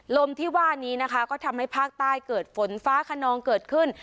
ลมที่ว่านี้นะคะก็ทำให้ภาคใต้เกิดฝนฟ้าขนองเกิดขึ้น